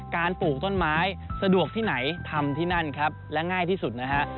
ปลูกต้นไม้สะดวกที่ไหนทำที่นั่นครับและง่ายที่สุดนะฮะ